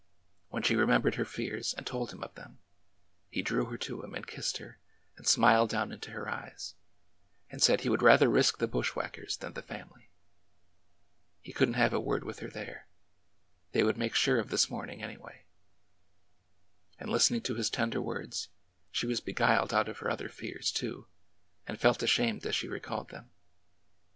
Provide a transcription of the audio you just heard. When she remembered her fears and told him of them, he drew her to him and kissed her and smiled down into her eyes, and said he would rather risk the bushwhackers than the family. He could n't have a word with her there. They would make sure of this morning, anyway. And listening to his tender words, she was beguiled out of her other fears, too, and felt ashamed as she recalled them.